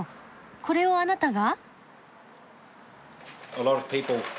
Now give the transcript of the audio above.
これをあなたが？